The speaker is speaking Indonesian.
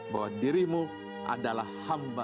bahwa dirimu adalah hamba